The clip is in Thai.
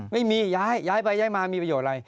ไม่มีย้ายย้ายไปย้ายมามีประโยชน์อะไร